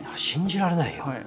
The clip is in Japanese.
信じられないよ。